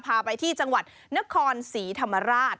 พาไปที่จังหวัดนครศรีธรรมราช